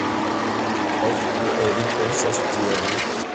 Ofte oni pensas tion.